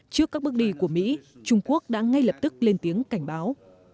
trước các bước đi của mỹ trung quốc đã ngay lập tức lên tiếng cảnh báo